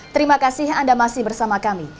terima kasih anda masih bersama kami